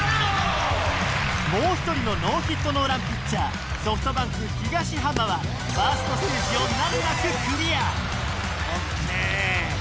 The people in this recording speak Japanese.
もう一人のノーヒットノーランピッチャーソフトバンク・東浜はファーストステージを難なくクリアＯＫ。